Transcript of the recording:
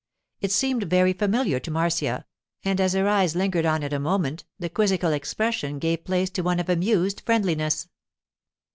It seemed very familiar to Marcia, and as her eyes lingered on it a moment the quizzical expression gave place to one of amused friendliness.